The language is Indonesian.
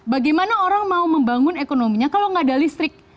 bagaimana orang mau membangun ekonominya kalau nggak ada listrik